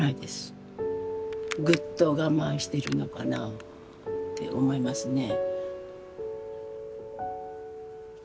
ぐっと我慢してるのかなあって思いますね。